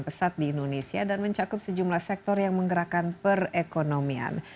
pesat di indonesia dan mencakup sejumlah sektor yang menggerakkan perekonomian nah bisnis fintech